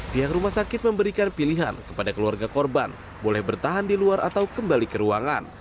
pihak rumah sakit memberikan pilihan kepada keluarga korban boleh bertahan di luar atau kembali ke ruangan